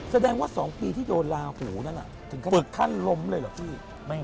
แสดงว่า๒ปีที่โดนลาหูนั่นถึงขั้นล้มเลยเหรอพี่